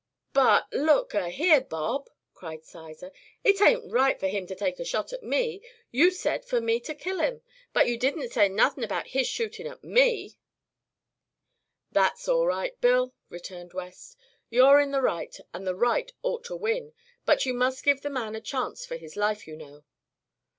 "But look a here, Bob!" cried Sizer; "it ain't right fer him to take a shot at me. You said fer me to kill him, but ye didn't say nuth'n about his shootin' at me." "That's all right, Bill," returned West. "You're in the right, and the right ought to win. But you must give the man a chance for his life, you know."